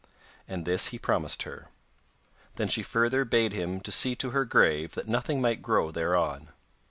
And this he promised her. Then she further bade him to see to her grave that nothing might grow thereon.